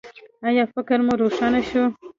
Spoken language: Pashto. ایا فکر مو روښانه شو؟